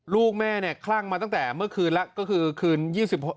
ลูกแม่เนี่ยคลั่งมาตั้งแต่เมื่อคืนแล้วก็คือคืนยี่สิบหก